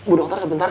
bu dokter sebentar